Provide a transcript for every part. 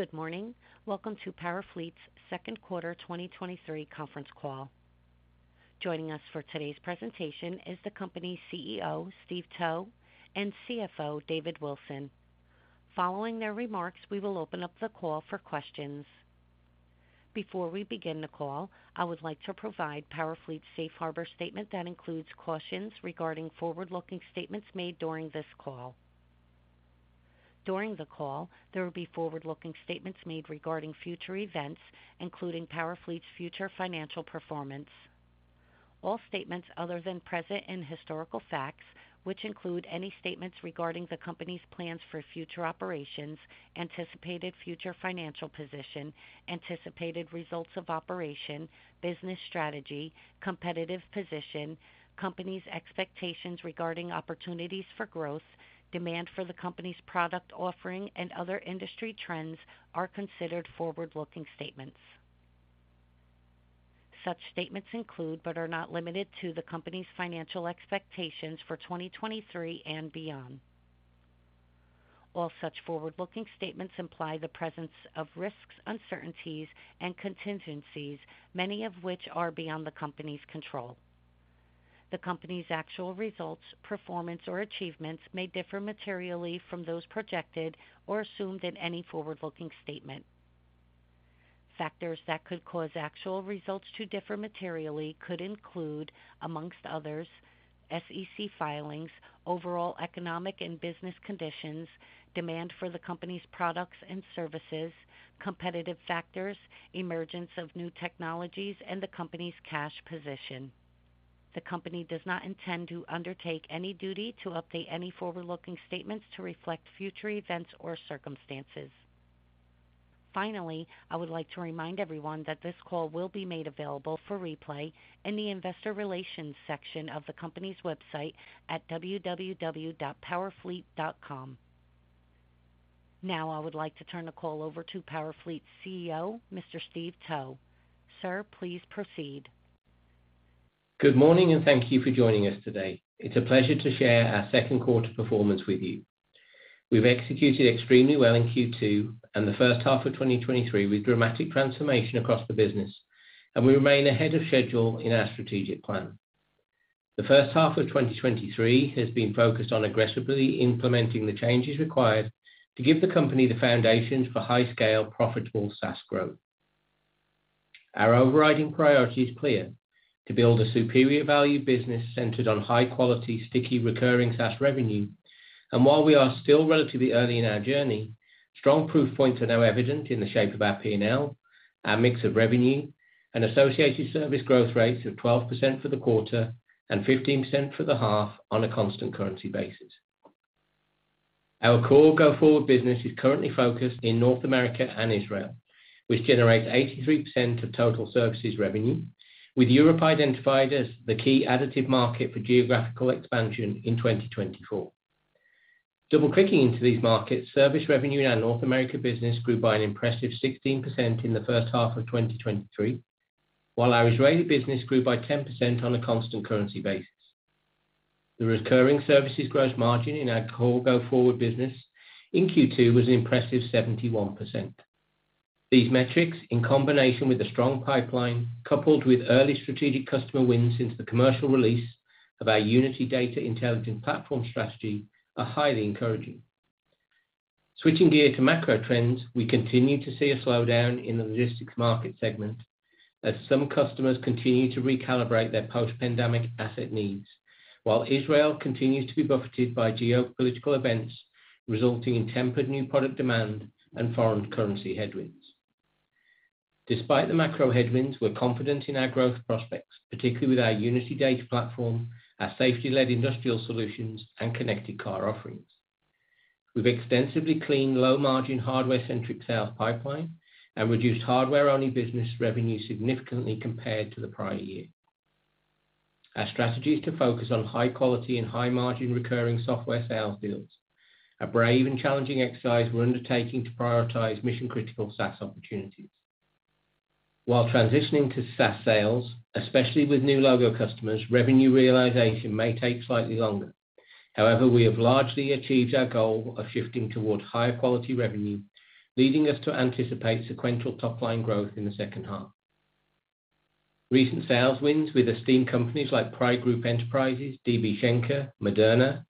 Good morning. Welcome to PowerFleet's Second Quarter 2023 Conference Call. Joining us for today's presentation is the company's CEO, Steve Towe, and CFO, David Wilson. Following their remarks, we will open up the call for questions. Before we begin the call, I would like to provide PowerFleet's safe harbor statement that includes cautions regarding forward-looking statements made during this call. During the call, there will be forward-looking statements made regarding future events, including PowerFleet's future financial performance. All statements other than present and historical facts, which include any statements regarding the company's plans for future operations, anticipated future financial position, anticipated results of operation, business strategy, competitive position, company's expectations regarding opportunities for growth, demand for the company's product offering, and other industry trends are considered forward-looking statements. Such statements include, but are not limited to, the company's financial expectations for 2023 and beyond. All such forward-looking statements imply the presence of risks, uncertainties, and contingencies, many of which are beyond the company's control. The company's actual results, performance, or achievements may differ materially from those projected or assumed in any forward-looking statement. Factors that could cause actual results to differ materially could include, amongst others, SEC filings, overall economic and business conditions, demand for the company's products and services, competitive factors, emergence of new technologies, and the company's cash position. The company does not intend to undertake any duty to update any forward-looking statements to reflect future events or circumstances. Finally, I would like to remind everyone that this call will be made available for replay in the Investor Relations section of the company's website at www.powerfleet.com. Now, I would like to turn the call over to PowerFleet's CEO, Mr. Steve Towe. Sir, please proceed. Good morning, thank you for joining us today. It's a pleasure to share our second quarter performance with you. We've executed extremely well in Q2 and the first half of 2023, with dramatic transformation across the business, and we remain ahead of schedule in our strategic plan. The first half of 2023 has been focused on aggressively implementing the changes required to give the company the foundations for high-scale, profitable SaaS growth. Our overriding priority is clear: to build a superior value business centered on high quality, sticky, recurring SaaS revenue. While we are still relatively early in our journey, strong proof points are now evident in the shape of our P&L, our mix of revenue, and associated service growth rates of 12% for the quarter and 15% for the half on a constant currency basis. Our core go-forward business is currently focused in North America and Israel, which generates 83% of total services revenue, with Europe identified as the key additive market for geographical expansion in 2024. Double-clicking into these markets, service revenue in our North America business grew by an impressive 16% in the first half of 2023, while our Israeli business grew by 10% on a constant currency basis. The recurring services gross margin in our core go-forward business in Q2 was an impressive 71%. These metrics, in combination with a strong pipeline, coupled with early strategic customer wins since the commercial release of our Unity Data Intelligence Platform strategy, are highly encouraging. Switching gear to macro trends, we continue to see a slowdown in the logistics market segment as some customers continue to recalibrate their post-pandemic asset needs, while Israel continues to be buffeted by geopolitical events, resulting in tempered new product demand and foreign currency headwinds. Despite the macro headwinds, we're confident in our growth prospects, particularly with our Unity Data Platform, our safety-led industrial solutions, and connected car offerings. We've extensively cleaned low-margin, hardware-centric sales pipeline and reduced hardware-only business revenue significantly compared to the prior year. Our strategy is to focus on high quality and high-margin recurring software sales deals, a brave and challenging exercise we're undertaking to prioritize mission-critical SaaS opportunities. While transitioning to SaaS sales, especially with new logo customers, revenue realization may take slightly longer. However, we have largely achieved our goal of shifting towards higher quality revenue, leading us to anticipate sequential top-line growth in the second half. Recent sales wins with esteemed companies like Pride Group Enterprises, DB Schenker, Moderna,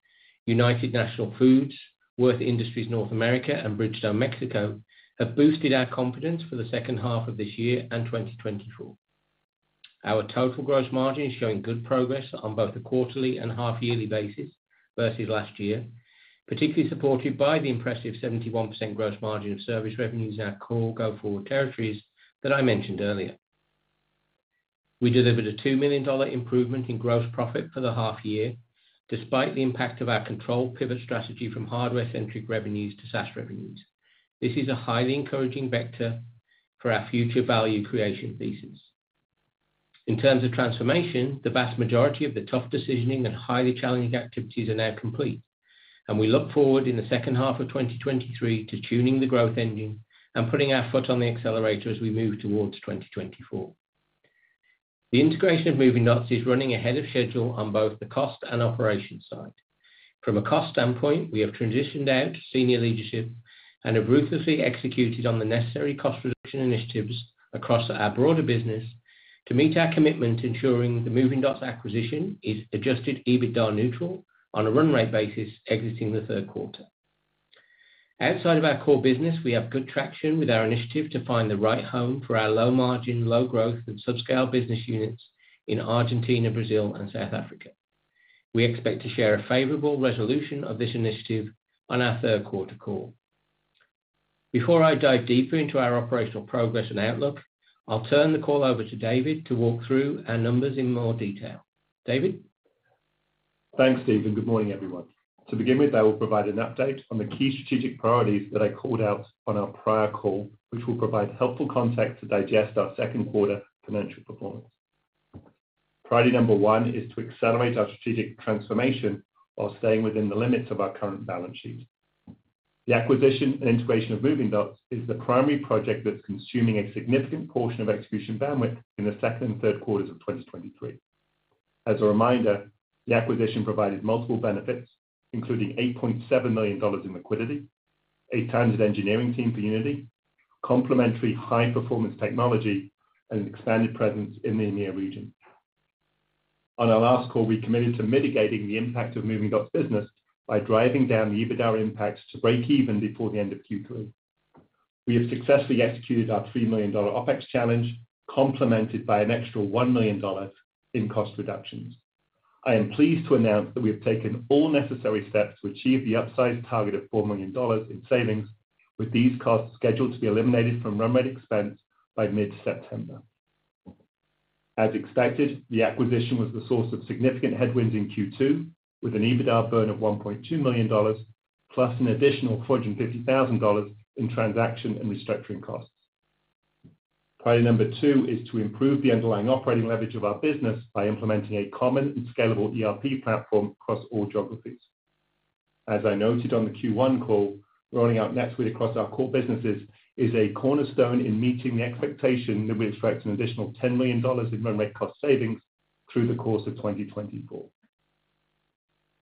United Natural Foods, Würth Industry North America, and Bridgestone Mexico have boosted our confidence for the second half of this year and 2024. Our total gross margin is showing good progress on both a quarterly and half-yearly basis versus last year, particularly supported by the impressive 71% gross margin of service revenues in our core go-forward territories that I mentioned earlier. We delivered a $2 million improvement in gross profit for the half year, despite the impact of our controlled pivot strategy from hardware-centric revenues to SaaS revenues. This is a highly encouraging vector for our future value creation thesis. In terms of transformation, the vast majority of the tough decisioning and highly challenging activities are now complete, and we look forward in the second half of 2023 to tuning the growth engine and putting our foot on the accelerator as we move towards 2024. The integration of Movingdots is running ahead of schedule on both the cost and operations side. From a cost standpoint, we have transitioned out senior leadership and have ruthlessly executed on the necessary cost reduction initiatives across our broader business to meet our commitment to ensuring the Movingdots acquisition is adjusted, EBITDA neutral on a run rate basis, exiting the third quarter. Outside of our core business, we have good traction with our initiative to find the right home for our low margin, low growth, and subscale business units in Argentina, Brazil and South Africa. We expect to share a favorable resolution of this initiative on our third quarter call. Before I dive deeper into our operational progress and outlook, I'll turn the call over to David to walk through our numbers in more detail. David? Thanks, Stephen. Good morning, everyone. To begin with, I will provide an update on the key strategic priorities that I called out on our prior call, which will provide helpful context to digest our second quarter financial performance. Priority number one is to accelerate our strategic transformation while staying within the limits of our current balance sheet. The acquisition and integration of Movingdots is the primary project that's consuming a significant portion of execution bandwidth in the second and third quarters of 2023. As a reminder, the acquisition provided multiple benefits, including $8.7 million in liquidity, a talented engineering team for Unity, complementary high-performance technology, and an expanded presence in the EMEA region. On our last call, we committed to mitigating the impact of Movingdots business by driving down the EBITDA impacts to breakeven before the end of Q3. We have successfully executed our $3 million OpEx challenge, complemented by an extra $1 million in cost reductions. I am pleased to announce that we have taken all necessary steps to achieve the upsized target of $4 million in savings, with these costs scheduled to be eliminated from run rate expense by mid-September. As expected, the acquisition was the source of significant headwinds in Q2, with an EBITDA burn of $1.2 million, plus an additional $450,000 in transaction and restructuring costs. Priority number two is to improve the underlying operating leverage of our business by implementing a common and scalable ERP platform across all geographies. As I noted on the Q1 call, rolling out NetSuite across our core businesses is a cornerstone in meeting the expectation that we expect an additional $10 million in run rate cost savings through the course of 2024.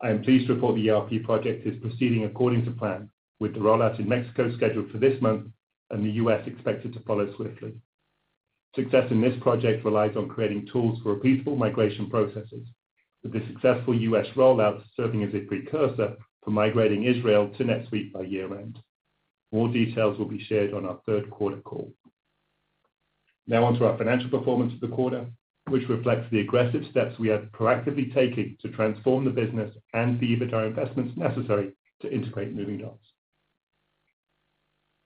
I am pleased to report the ERP project is proceeding according to plan, with the rollout in Mexico scheduled for this month and the U.S. expected to follow swiftly. Success in this project relies on creating tools for repeatable migration processes, with the successful U.S. rollout serving as a precursor for migrating Israel to NetSuite by year-end. More details will be shared on our third quarter call. On to our financial performance for the quarter, which reflects the aggressive steps we have proactively taken to transform the business and the EBITDA investments necessary to integrate Movingdots.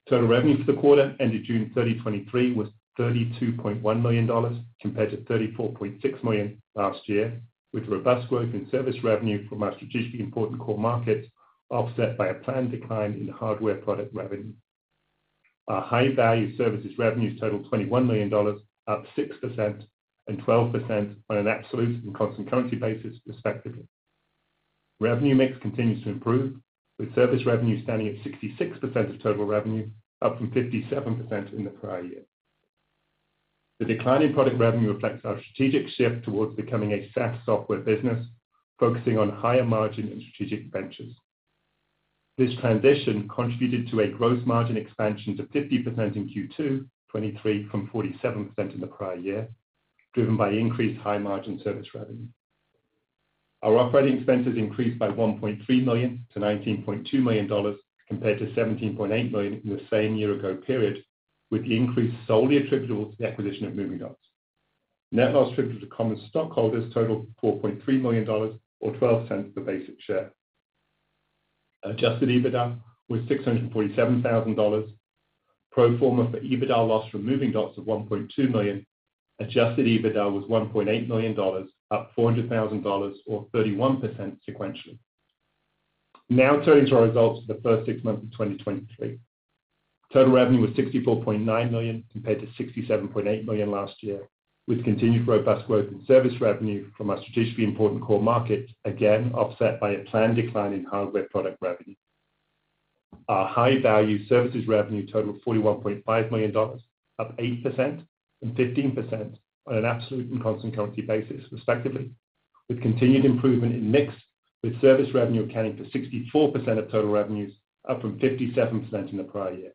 Total revenue for the quarter ended June 30, 2023, was $32.1 million, compared to $34.6 million last year, with robust growth in service revenue from our strategically important core markets, offset by a planned decline in hardware product revenue. Our high-value services revenues totaled $21 million, up 6% and 12% on an absolute and constant currency basis, respectively. Revenue mix continues to improve, with service revenue standing at 66% of total revenue, up from 57% in the prior year. The decline in product revenue reflects our strategic shift towards becoming a SaaS software business, focusing on higher margin and strategic ventures. This transition contributed to a gross margin expansion to 50% in Q2 2023, from 47% in the prior year, driven by increased high margin service revenue. Our operating expenses increased by $1.3 million to $19.2 million, compared to $17.8 million in the same year-ago period, with the increase solely attributable to the acquisition of Movingdots. Net loss attributed to common stockholders totaled $4.3 million or $0.12 per basic share. Adjusted EBITDA was $647,000. Pro forma for EBITDA loss from Movingdots of $1.2 million, adjusted EBITDA was $1.8 million, up $400,000 or 31% sequentially. Turning to our results for the first six months of 2023. Total revenue was $64.9 million, compared to $67.8 million last year, with continued robust growth in service revenue from our strategically important core markets, again, offset by a planned decline in hardware product revenue. Our high-value services revenue totaled $41.5 million, up 8% and 15% on an absolute and constant currency basis, respectively, with continued improvement in mix, with service revenue accounting for 64% of total revenues, up from 57% in the prior year.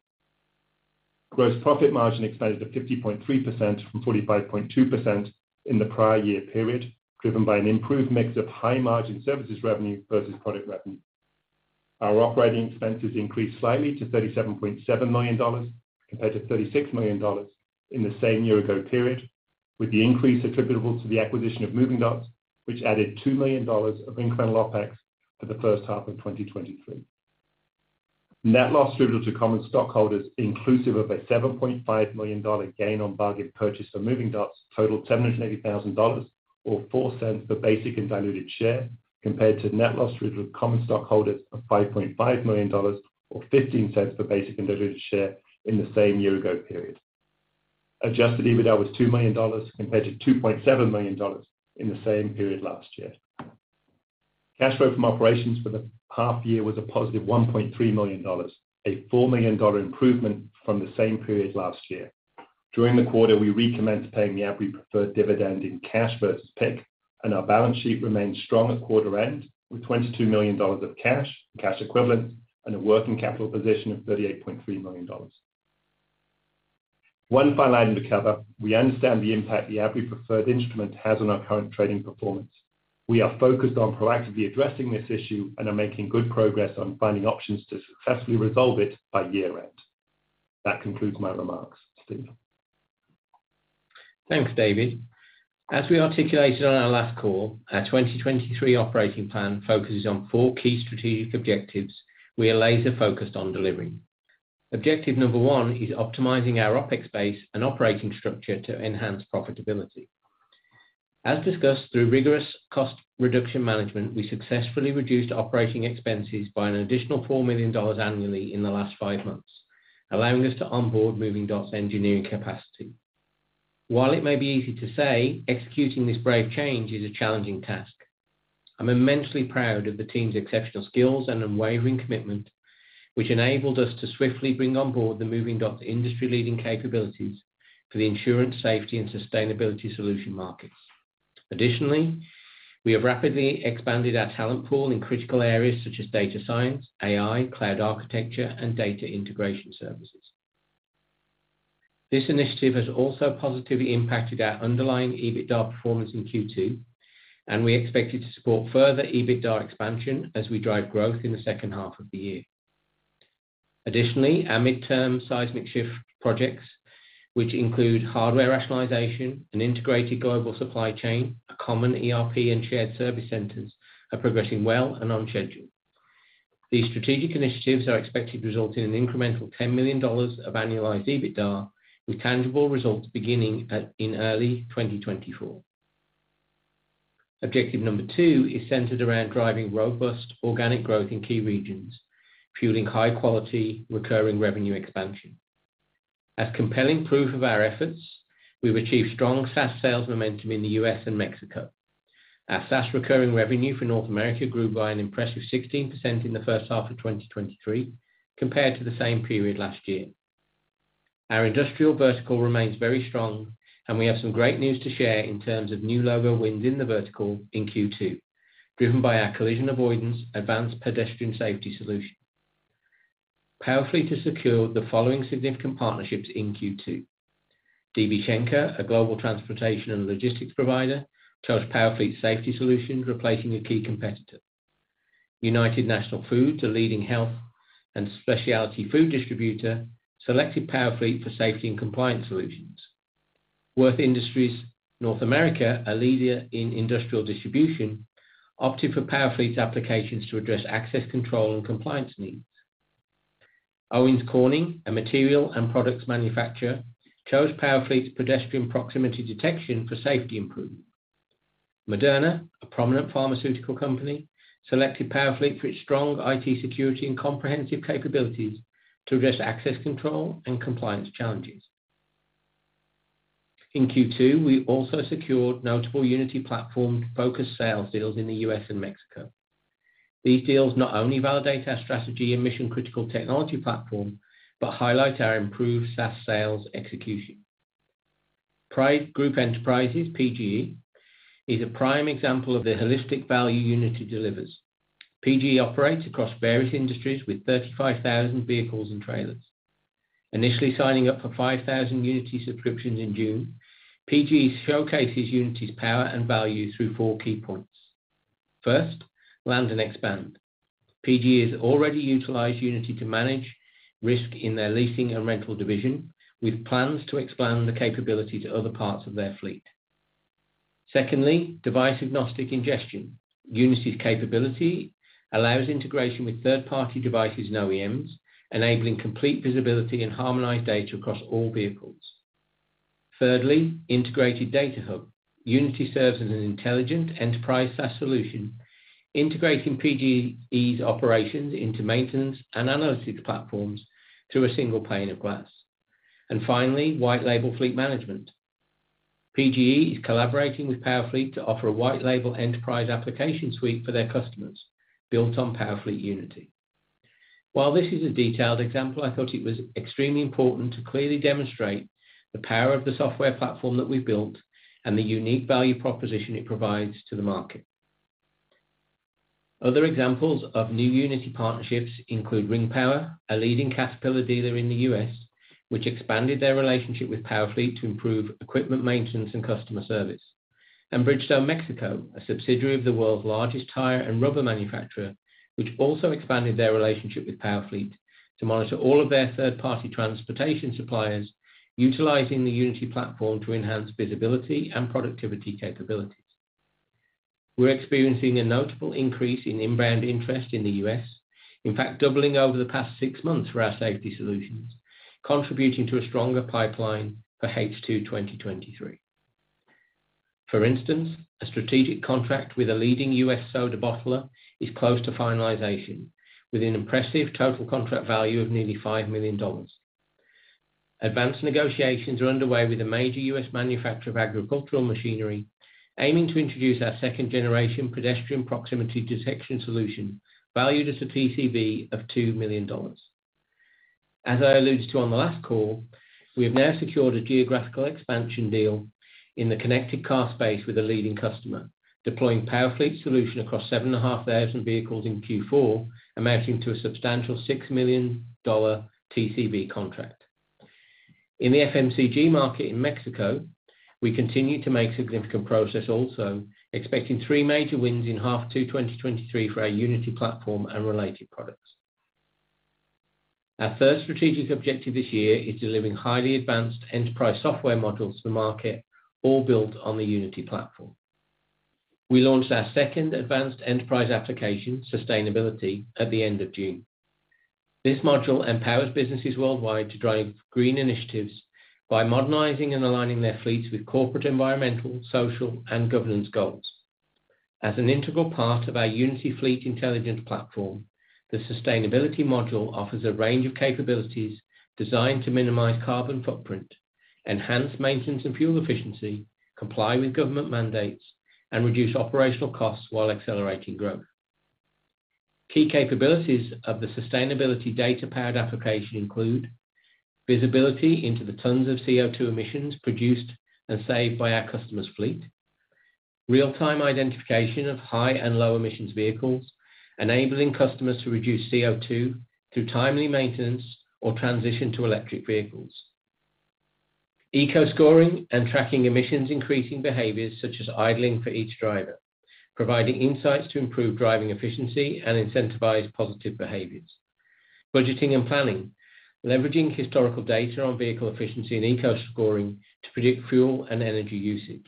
Gross profit margin expanded to 50.3% from 45.2% in the prior year period, driven by an improved mix of high margin services revenue versus product revenue. Our operating expenses increased slightly to $37.7 million, compared to $36 million in the same year ago period, with the increase attributable to the acquisition of Movingdots, which added $2 million of incremental OpEx for the first half of 2023. Net loss attributable to common stockholders, inclusive of a $7.5 million gain on bargain purchase for Movingdots, totaled $780,000 or $0.04 per basic and diluted share, compared to net loss attributable to common stockholders of $5.5 million or $0.15 per basic and diluted share in the same year-ago period. Adjusted EBITDA was $2 million compared to $2.7 million in the same period last year. Cash flow from operations for the half year was a +$1.3 million, a $4 million improvement from the same period last year. During the quarter, we recommenced paying the APPU preferred dividend in cash versus PIK. Our balance sheet remained strong at quarter end, with $22 million of cash, cash equivalent, and a working capital position of $38.3 million. One final item to cover, we understand the impact the APPU preferred instrument has on our current trading performance. We are focused on proactively addressing this issue and are making good progress on finding options to successfully resolve it by year-end. That concludes my remarks. Steve? Thanks, David. As we articulated on our last call, our 2023 operating plan focuses on 4 key strategic objectives we are laser-focused on delivering. Objective number 1 is optimizing our OpEx base and operating structure to enhance profitability. As discussed, through rigorous cost reduction management, we successfully reduced operating expenses by an additional $4 million annually in the last 5 months, allowing us to onboard Movingdots engineering capacity. While it may be easy to say, executing this brave change is a challenging task. I'm immensely proud of the team's exceptional skills and unwavering commitment, which enabled us to swiftly bring on board the Movingdots industry-leading capabilities for the insurance, safety, and sustainability solution markets. Additionally, we have rapidly expanded our talent pool in critical areas such as data science, AI, cloud architecture, and data integration services. This initiative has also positively impacted our underlying EBITDA performance in Q2. We expect it to support further EBITDA expansion as we drive growth in the second half of the year. Additionally, our midterm seismic shift projects, which include hardware rationalization, an integrated global supply chain, a common ERP, and shared service centers, are progressing well and on schedule. These strategic initiatives are expected to result in an incremental $10 million of annualized EBITDA, with tangible results beginning in early 2024. Objective number two is centered around driving robust organic growth in key regions, fueling high-quality, recurring revenue expansion. As compelling proof of our efforts, we've achieved strong SaaS sales momentum in the U.S. and Mexico. Our SaaS recurring revenue for North America grew by an impressive 16% in the first half of 2023, compared to the same period last year. Our industrial vertical remains very strong, and we have some great news to share in terms of new logo wins in the vertical in Q2, driven by our collision avoidance advanced pedestrian safety solution. PowerFleet has secured the following significant partnerships in Q2: DB Schenker, a global transportation and logistics provider, chose PowerFleet's safety solution, replacing a key competitor. United Natural Foods, a leading health and specialty food distributor, selected PowerFleet for safety and compliance solutions. Würth Industry North America, a leader in industrial distribution, opted for PowerFleet's applications to address access control and compliance needs. Owens Corning, a material and products manufacturer, chose PowerFleet's pedestrian proximity detection for safety improvement. Moderna, a prominent pharmaceutical company, selected PowerFleet for its strong IT security and comprehensive capabilities to address access control and compliance challenges. In Q2, we also secured notable Unity platform-focused sales deals in the US and Mexico. These deals not only validate our strategy and mission-critical technology platform, but highlight our improved SaaS sales execution. Pride Group Enterprises, PGE, is a prime example of the holistic value Unity delivers. PGE operates across various industries with 35,000 vehicles and trailers. Initially signing up for 5,000 Unity subscriptions in June, PGE showcases Unity's power and value through four key points. First, land and expand. PGE has already utilized Unity to manage risk in their leasing and rental division, with plans to expand the capability to other parts of their fleet. Secondly, device-agnostic ingestion. Unity's capability allows integration with third-party devices and OEMs, enabling complete visibility and harmonized data across all vehicles. Thirdly, integrated data hub. Unity serves as an intelligent enterprise SaaS solution, integrating PGE's operations into maintenance and analytics platforms through a single pane of glass. Finally, white label fleet management. PGE is collaborating with Powerfleet to offer a white label enterprise application suite for their customers, built on Powerfleet Unity. While this is a detailed example, I thought it was extremely important to clearly demonstrate the power of the software platform that we've built and the unique value proposition it provides to the market. Other examples of new Unity partnerships include Ring Power, a leading Caterpillar dealer in the U.S., which expanded their relationship with Powerfleet to improve equipment maintenance and customer service. Bridgestone Mexico, a subsidiary of the world's largest tire and rubber manufacturer, which also expanded their relationship with Powerfleet to monitor all of their third-party transportation suppliers, utilizing the Unity platform to enhance visibility and productivity capabilities. We're experiencing a notable increase in inbound interest in the U.S., in fact, doubling over the past six months for our safety solutions, contributing to a stronger pipeline for H2 2023. For instance, a strategic contract with a leading U.S. soda bottler is close to finalization, with an impressive total contract value of nearly $5 million. Advanced negotiations are underway with a major U.S. manufacturer of agricultural machinery, aiming to introduce our second-generation pedestrian proximity detection solution, valued as a TCV of $2 million. As I alluded to on the last call, we have now secured a geographical expansion deal in the connected car space with a leading customer, deploying Powerfleet solution across 7,500 vehicles in Q4, amounting to a substantial $6 million TCV contract. In the FMCG market in Mexico, we continue to make significant progress also, expecting three major wins in H2 2023 for our Unity platform and related products. Our first strategic objective this year is delivering highly advanced enterprise software modules to the market, all built on the Unity platform. We launched our second advanced enterprise application, Sustainability, at the end of June. This module empowers businesses worldwide to drive green initiatives by modernizing and aligning their fleets with corporate, environmental, social, and governance goals. As an integral part of our Unity Fleet Intelligence platform, the Sustainability module offers a range of capabilities designed to minimize carbon footprint, enhance maintenance and fuel efficiency, comply with government mandates, and reduce operational costs while accelerating growth. Key capabilities of the Sustainability data-powered application include: visibility into the tons of CO2 emissions produced and saved by our customer's fleet. Real-time identification of high and low emissions vehicles, enabling customers to reduce CO2 through timely maintenance or transition to electric vehicles. Eco scoring and tracking emissions, increasing behaviors such as idling for each driver, providing insights to improve driving efficiency and incentivize positive behaviors. Budgeting and planning, leveraging historical data on vehicle efficiency and eco scoring to predict fuel and energy usage.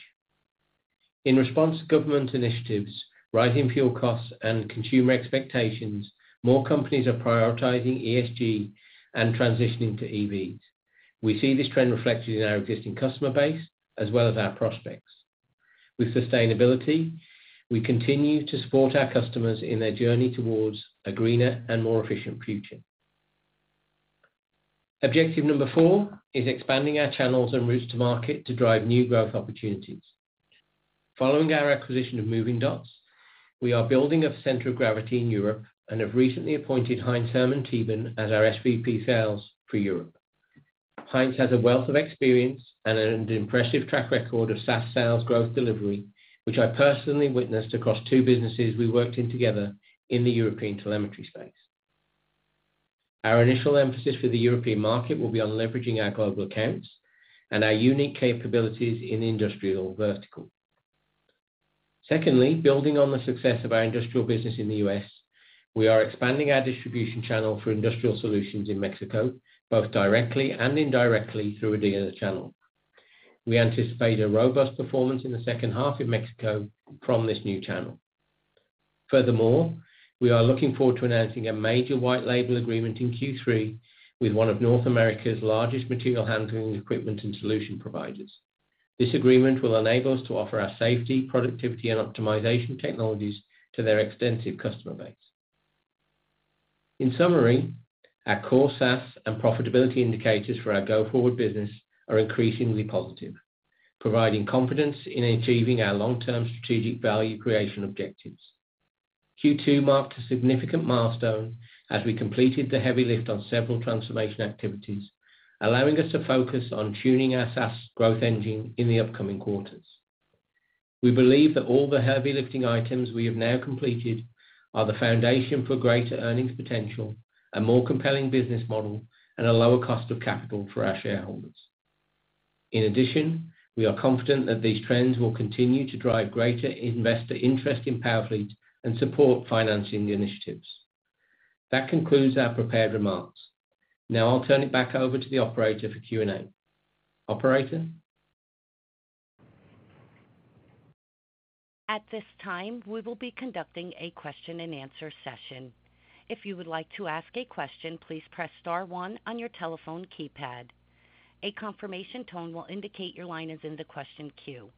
In response to government initiatives, rising fuel costs, and consumer expectations, more companies are prioritizing ESG and transitioning to EVs. We see this trend reflected in our existing customer base, as well as our prospects. With Sustainability, we continue to support our customers in their journey towards a greener and more efficient future. Objective number four is expanding our channels and routes to market to drive new growth opportunities. Following our acquisition of Movingdots, we are building a center of gravity in Europe and have recently appointed Heinz-Hermann Thieben as our SVP Sales for Europe. Heinz has a wealth of experience and an impressive track record of SaaS sales growth delivery, which I personally witnessed across two businesses we worked in together in the European telemetry space. Our initial emphasis for the European market will be on leveraging our global accounts and our unique capabilities in industrial vertical. Secondly, building on the success of our industrial business in the U.S., we are expanding our distribution channel for industrial solutions in Mexico, both directly and indirectly through a dealer channel. We anticipate a robust performance in the second half in Mexico from this new channel. Furthermore, we are looking forward to announcing a major white label agreement in Q3 with one of North America's largest material handling equipment and solution providers. This agreement will enable us to offer our safety, productivity, and optimization technologies to their extensive customer base. In summary, our core SaaS and profitability indicators for our go-forward business are increasingly positive, providing confidence in achieving our long-term strategic value creation objectives. Q2 marked a significant milestone as we completed the heavy lift on several transformation activities, allowing us to focus on tuning our SaaS growth engine in the upcoming quarters. We believe that all the heavy lifting items we have now completed are the foundation for greater earnings potential, a more compelling business model, and a lower cost of capital for our shareholders. We are confident that these trends will continue to drive greater investor interest in PowerFleet and support financing the initiatives. That concludes our prepared remarks. Now I'll turn it back over to the operator for Q&A. Operator? At this time, we will be conducting a question-and-answer session. If you would like to ask a question, please press star 1 on your telephone keypad. A confirmation tone will indicate your line is in the question queue.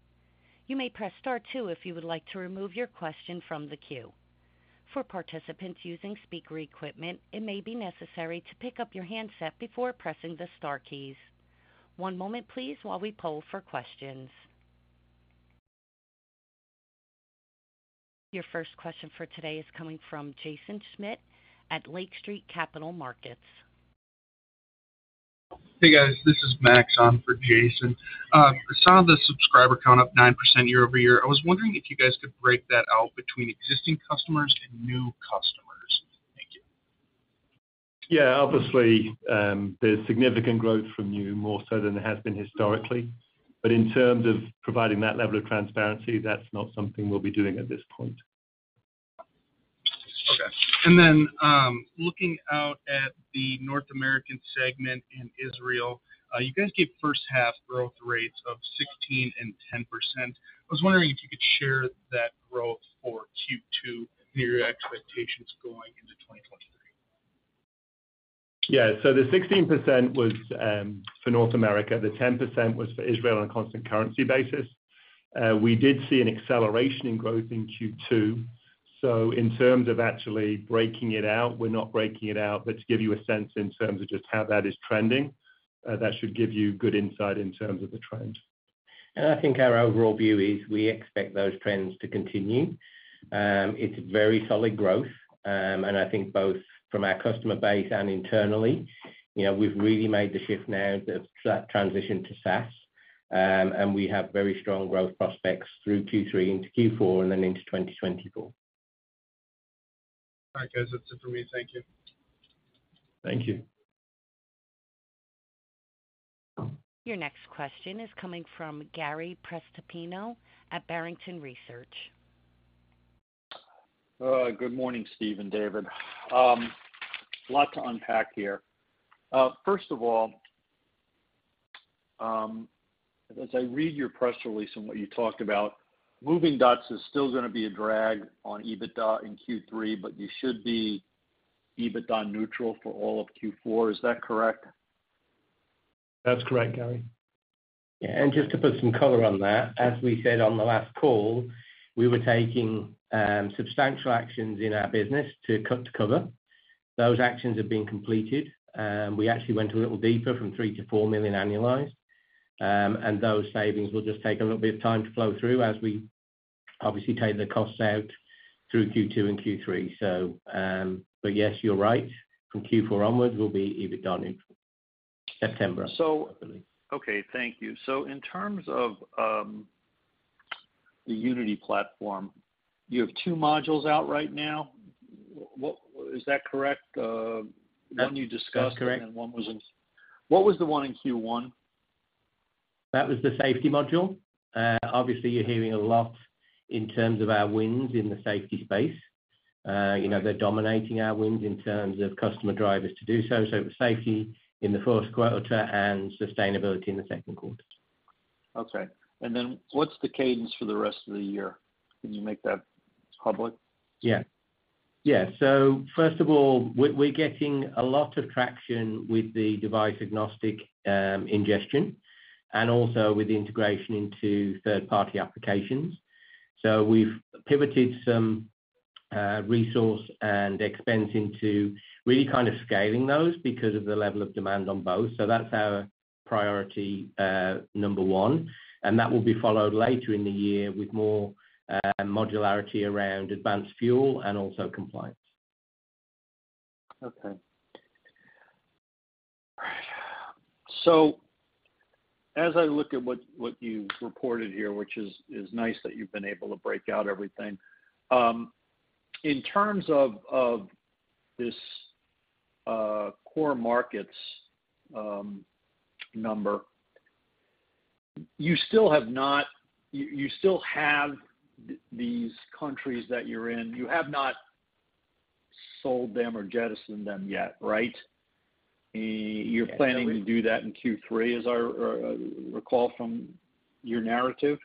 You may press star 2 if you would like to remove your question from the queue. For participants using speaker equipment, it may be necessary to pick up your handset before pressing the star keys. One moment, please, while we poll for questions. Your first question for today is coming from Jason Schmidt at Lake Street Capital Markets. Hey, guys, this is Max on for Jason. I saw the subscriber count up 9% year-over-year. I was wondering if you guys could break that out between existing customers and new customers. Thank you. Yeah, obviously, there's significant growth from new, more so than there has been historically. In terms of providing that level of transparency, that's not something we'll be doing at this point. Okay. Then, looking out at the North American segment in Israel, you guys gave first half growth rates of 16 and 10%. I was wondering if you could share that growth for Q2 and your expectations going into 2023. Yeah. The 16% was for North America, the 10% was for Israel on a constant currency basis. We did see an acceleration in growth in Q2. In terms of actually breaking it out, we're not breaking it out. To give you a sense in terms of just how that is trending, that should give you good insight in terms of the trend. I think our overall view is we expect those trends to continue. It's very solid growth. I think both from our customer base and internally, you know, we've really made the shift now to that transition to SaaS. We have very strong growth prospects through Q3 into Q4 and then into 2024. All right, guys. That's it for me. Thank you. Thank you. Your next question is coming from Gary Prestopino at Barrington Research. Good morning, Steve and David. Lot to unpack here. First of all, as I read your press release and what you talked about, Movingdots is still gonna be a drag on EBITDA in Q3, but you should be EBITDA neutral for all of Q4. Is that correct? That's correct, Gary. Yeah, just to put some color on that, as we said on the last call, we were taking substantial actions in our business to cut to cover. Those actions have been completed, and we actually went a little deeper from $3 million - $4 million annualized. Those savings will just take a little bit of time to flow through as we obviously take the costs out through Q2 and Q3. But yes, you're right. From Q4 onwards, we'll be EBITDA neutral, September, I believe. Okay, thank you. In terms of the Unity platform, you have two modules out right now. Is that correct? One you discussed. That's correct. One was in. What was the one in Q1? That was the safety module. Obviously, you're hearing a lot in terms of our wins in the safety space. You know, they're dominating our wins in terms of customer drivers to do so. Safety in the first quarter and Sustainability in the second quarter. Okay. What's the cadence for the rest of the year? Can you make that public? Yeah. Yeah. First of all, we're, we're getting a lot of traction with the device-agnostic ingestion and also with the integration into third-party applications. We've pivoted some resource and expense into really kind of scaling those because of the level of demand on both. That's our priority, number one, and that will be followed later in the year with more modularity around advanced fuel and also compliance. Okay. As I look at what, what you've reported here, which is, is nice, that you've been able to break out everything. In terms of, of this, core markets, number, you still have these countries that you're in. You have not sold them or jettisoned them yet, right? That's correct. You're planning to do that in Q3, as I recall from your narrative?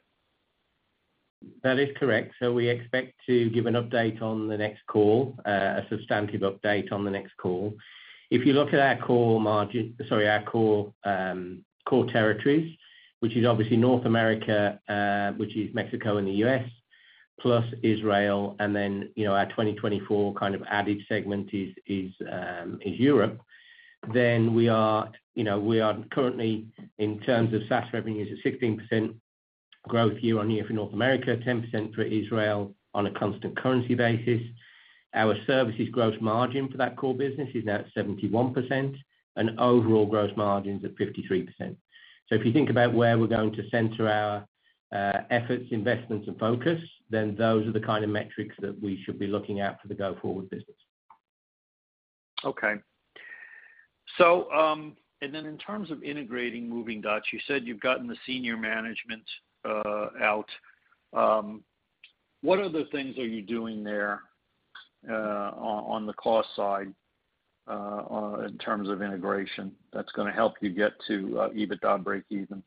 That is correct. We expect to give an update on the next call, a substantive update on the next call. If you look at our core margin, sorry, our core, core territories, which is obviously North America, which is Mexico and the U.S., plus Israel, and then, you know, our 2024 kind of added segment is Europe, then we are, you know, we are currently, in terms of SaaS revenues, at 16% growth year-over-year for North America, 10% for Israel on a constant currency basis. Our services gross margin for that core business is now at 71%, and overall gross margins at 53%. If you think about where we're going to center our efforts, investments, and focus, then those are the kind of metrics that we should be looking at for the go-forward business. In terms of integrating Movingdots, you said you've gotten the senior management out. What other things are you doing there on the cost side in terms of integration, that's gonna help you get to EBITDA breakeven?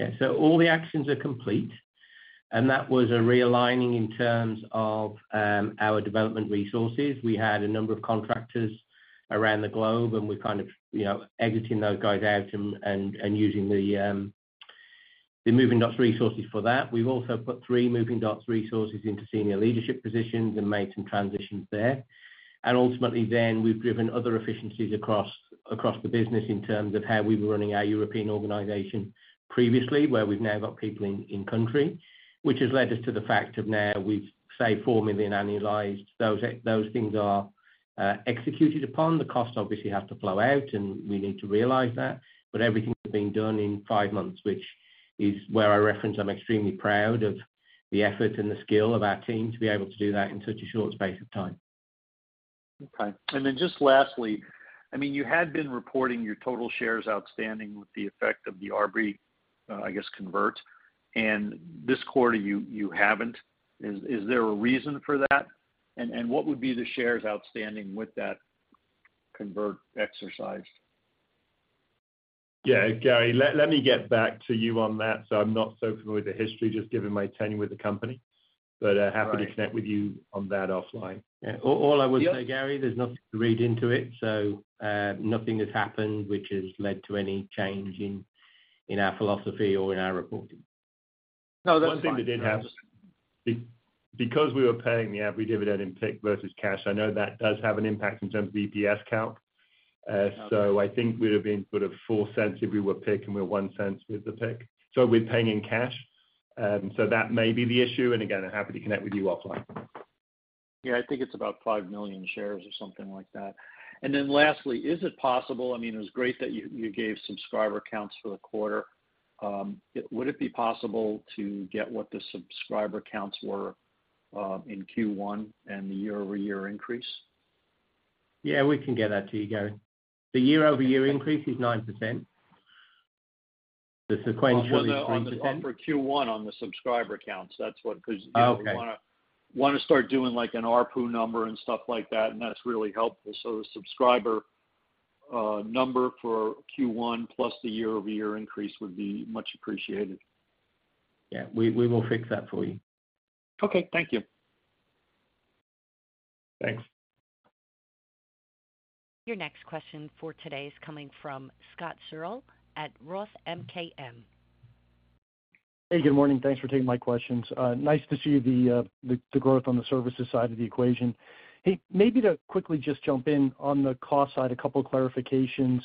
Yeah. All the actions are complete, and that was a realigning in terms of, our development resources. We had a number of contractors around the globe, and we're kind of, you know, exiting those guys out and, and, and using the, the Movingdots resources for that. We've also put three Movingdots resources into senior leadership positions and made some transitions there. Ultimately, then we've driven other efficiencies across, across the business in terms of how we were running our European organization previously, where we've now got people in, in country, which has led us to the fact of now we've saved $4 million annualized. Those, those things are, executed upon. The costs obviously have to flow out, and we need to realize that, but everything's been done in five months, which is where I reference I'm extremely proud of the effort and the skill of our team to be able to do that in such a short space of time. Okay. Then just lastly, I mean, you had been reporting your total shares outstanding with the effect of the R.B., I guess, convert, and this quarter, you, you haven't. Is there a reason for that? What would be the shares outstanding with that convert exercise? Yeah, Gary, let, let me get back to you on that. I'm not so familiar with the history, just given my tenure with the company. but, happy to connect with you on that offline. Yeah. All, all I would say, Gary, there's nothing to read into it, so, nothing has happened which has led to any change in, in our philosophy or in our reporting. No, that's fine. One thing that did happen, because we were paying the average dividend in PIK versus cash, I know that does have an impact in terms of EPS count. I think we'd have been sort of $0.04 if we were PIK, and we're $0.01 with the PIK. We're paying in cash. That may be the issue, and again, I'm happy to connect with you offline. Yeah, I think it's about 5 million shares or something like that. Then lastly, is it possible... I mean, it was great that you, you gave subscriber counts for the quarter. Would it be possible to get what the subscriber counts were in Q1 and the year-over-year increase? Yeah, we can get that to you, Gary. The year-over-year increase is 9%. The sequential is 3%. On the, for Q1, on the subscriber counts, that's what- Okay. We wanna start doing, like, an ARPU number and stuff like that, and that's really helpful. The subscriber number for Q1 plus the year-over-year increase would be much appreciated. Yeah. We, we will fix that for you. Okay. Thank you. Thanks. Your next question for today is coming from Scott Searle at Roth MKM. Hey, good morning. Thanks for taking my questions. Nice to see the growth on the services side of the equation. Hey, maybe to quickly just jump in on the cost side, a couple of clarifications.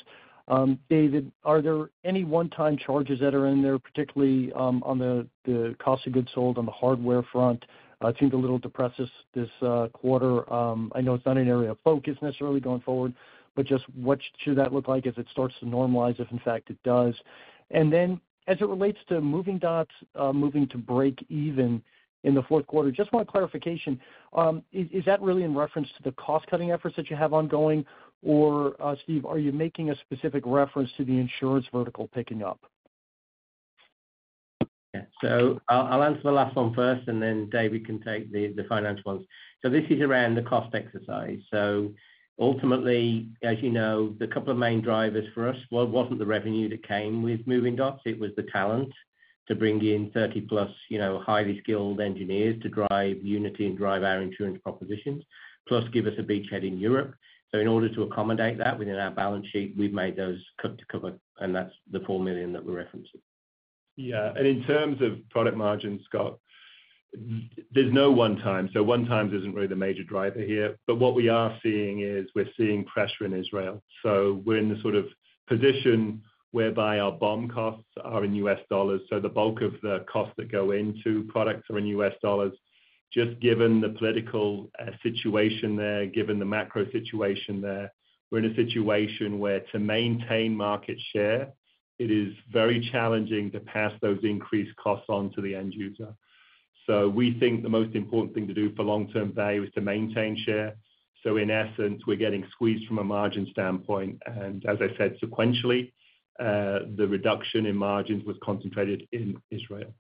David, are there any one-time charges that are in there, particularly on the cost of goods sold on the hardware front? I think a little depressed this quarter. I know it's not an area of focus necessarily going forward, but just what should that look like as it starts to normalize, if in fact it does? As it relates to Movingdots, moving to break even in the fourth quarter, just want clarification. is, is that really in reference to the cost-cutting efforts that you have ongoing, or, Steve, are you making a specific reference to the insurance vertical picking up? Yeah. I'll, I'll answer the last one first, and then David can take the, the financial ones. This is around the cost exercise. Ultimately, as you know, the couple of main drivers for us, well, it wasn't the revenue that came with Movingdots, it was the talent to bring in 30+ you know, highly skilled engineers to drive Unity and drive our insurance propositions, plus give us a beach head in Europe. In order to accommodate that within our balance sheet, we've made those cut to cover, and that's the $4 million that we're referencing. Yeah, in terms of product margin, Scott, there's no one time. One time isn't really the major driver here, but what we are seeing is we're seeing pressure in Israel. We're in the sort of position whereby our BOM costs are in US dollars, the bulk of the costs that go into products are in US dollars. Just given the political situation there, given the macro situation there, we're in a situation where to maintain market share, it is very challenging to pass those increased costs on to the end user. We think the most important thing to do for long-term value is to maintain share. In essence, we're getting squeezed from a margin standpoint, and as I said, sequentially, the reduction in margins was concentrated in Israel.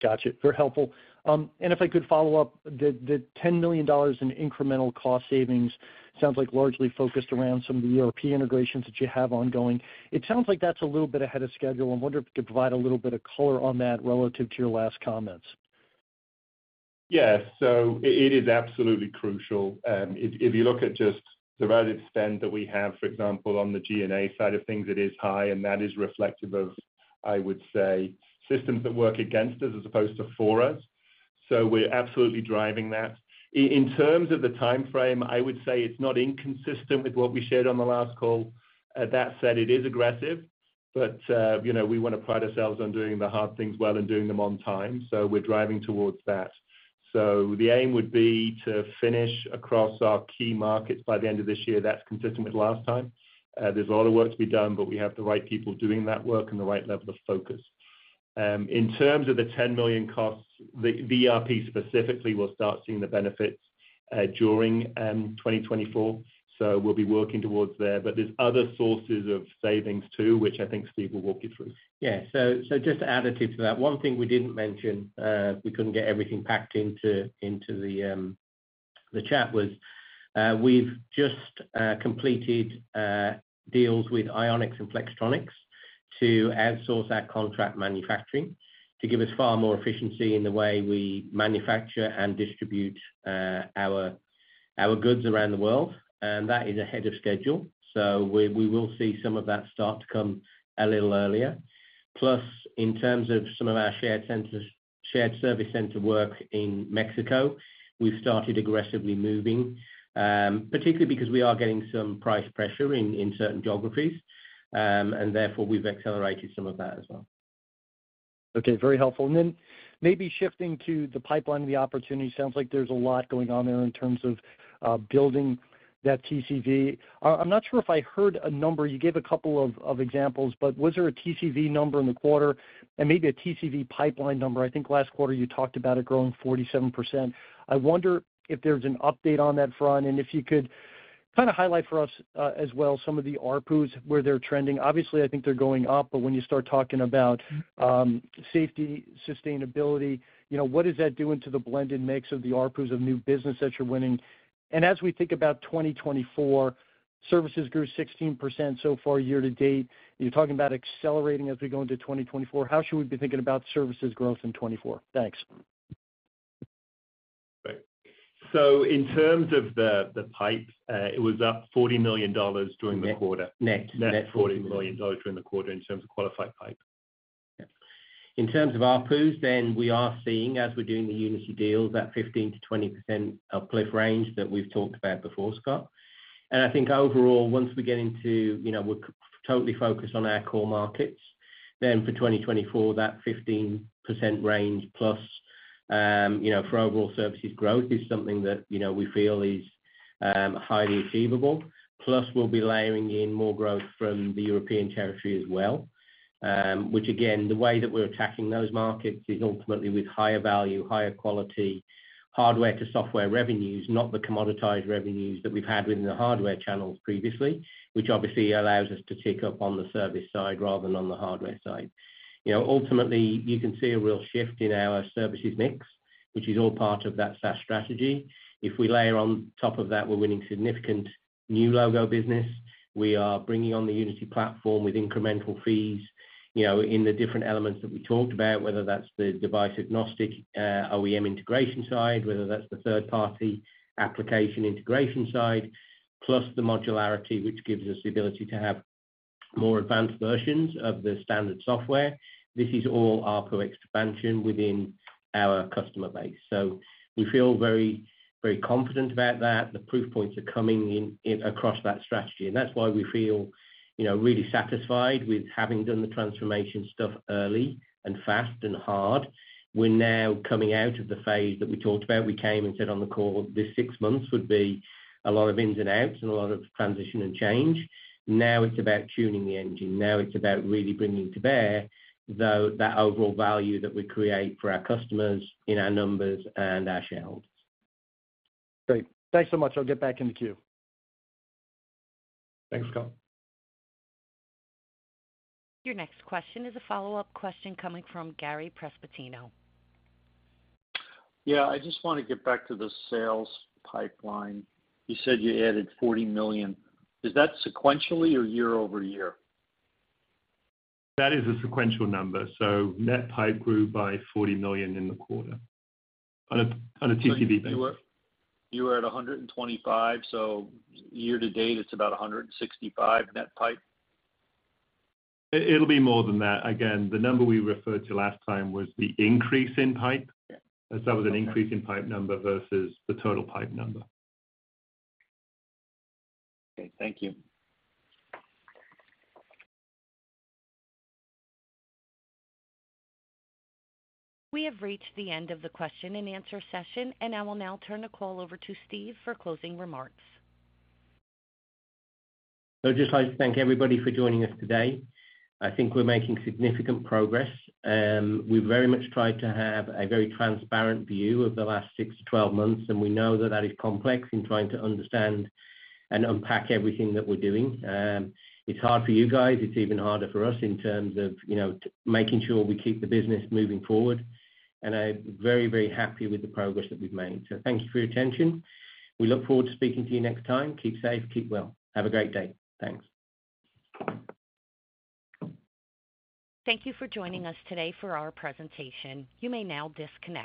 Gotcha. Very helpful. And if I could follow up, the, the $10 million in incremental cost savings sounds like largely focused around some of the ERP integrations that you have ongoing. It sounds like that's a little bit ahead of schedule. I wonder if you could provide a little bit of color on that relative to your last comments. Yeah. It, it is absolutely crucial. If, if you look at just the relative spend that we have, for example, on the G&A side of things, it is high, and that is reflective of, I would say, systems that work against us as opposed to for us. We're absolutely driving that. In, in terms of the timeframe, I would say it's not inconsistent with what we shared on the last call. That said, it is aggressive, but, you know, we want to pride ourselves on doing the hard things well and doing them on time, so we're driving towards that. The aim would be to finish across our key markets by the end of this year. That's consistent with last time. There's a lot of work to be done, but we have the right people doing that work and the right level of focus. In terms of the $10 million costs, the VIPs specifically will start seeing the benefits during 2024. We'll be working towards there, but there's other sources of savings too, which I think Steve will walk you through. Yeah. So, so just to add to that, one thing we didn't mention, we couldn't get everything packed into, into the chat was, we've just completed deals with Ionics and Flextronics to outsource our contract manufacturing, to give us far more efficiency in the way we manufacture and distribute our, our goods around the world. That is ahead of schedule, so we, we will see some of that start to come a little earlier. Plus, in terms of some of our shared centers, shared service center work in Mexico, we've started aggressively moving, particularly because we are getting some price pressure in, in certain geographies, and therefore we've accelerated some of that as well. Okay, very helpful. Then maybe shifting to the pipeline, the opportunity sounds like there's a lot going on there in terms of building that TCV. I'm not sure if I heard a number. You gave a couple of examples, but was there a TCV number in the quarter and maybe a TCV pipeline number? I think last quarter you talked about it growing 47%. I wonder if there's an update on that front, and if you could kind of highlight for us as well, some of the ARPUs, where they're trending. Obviously, I think they're going up, but when you start talking about safety, Sustainability, you know, what is that doing to the blend and mix of the ARPUs of new business that you're winning? As we think about 2024-... Services grew 16% so far, year-to-date. You're talking about accelerating as we go into 2024. How should we be thinking about services growth in 24? Thanks. Great. In terms of the, the pipe, it was up $40 million during the quarter. Net, net. Net $40 million during the quarter in terms of qualified pipe. Yeah. In terms of ARPU, then we are seeing, as we're doing the Unity deals, that 15% - 20% uplift range that we've talked about before, Scott. I think overall, once we get into, you know, we're totally focused on our core markets, then for 2024, that +15% range, you know, for overall services growth is something that, you know, we feel is highly achievable. Plus, we'll be layering in more growth from the European territory as well, which again, the way that we're attacking those markets is ultimately with higher value, higher quality, hardware to software revenues, not the commoditized revenues that we've had within the hardware channels previously, which obviously allows us to tick up on the service side rather than on the hardware side. You know, ultimately, you can see a real shift in our services mix, which is all part of that SaaS strategy. We layer on top of that, we're winning significant new logo business. We are bringing on the Unity platform with incremental fees, you know, in the different elements that we talked about, whether that's the device agnostic, OEM integration side, whether that's the third-party application integration side, plus the modularity, which gives us the ability to have more advanced versions of the standard software. This is all ARPU expansion within our customer base. We feel very, very confident about that. The proof points are coming in across that strategy. That's why we feel, you know, really satisfied with having done the transformation stuff early and fast and hard. We're now coming out of the phase that we talked about. We came and said on the call, this six months would be a lot of ins and outs and a lot of transition and change. Now, it's about tuning the engine. Now, it's about really bringing to bear, though, that overall value that we create for our customers in our numbers and our shareholders. Great. Thanks so much. I'll get back in the queue. Thanks, Scott. Your next question is a follow-up question coming from Gary Prestopino. Yeah, I just want to get back to the sales pipeline. You said you added $40 million. Is that sequentially or year-over-year? That is a sequential number. Net pipe grew by $40 million in the quarter on a, on a TTV basis. You were at 125, so year to date, it's about 165 net pipe? It, it'll be more than that. Again, the number we referred to last time was the increase in pipe. That was an increase in pipe number versus the total pipe number. Okay, thank you. We have reached the end of the question-and-answer session. I will now turn the call over to Steve for closing remarks. I'd just like to thank everybody for joining us today. I think we're making significant progress. We've very much tried to have a very transparent view of the last six to 12 months, and we know that that is complex in trying to understand and unpack everything that we're doing. It's hard for you guys. It's even harder for us in terms of, you know, making sure we keep the business moving forward. I'm very, very happy with the progress that we've made. Thank you for your attention. We look forward to speaking to you next time. Keep safe, keep well. Have a great day. Thanks. Thank you for joining us today for our presentation. You may now disconnect.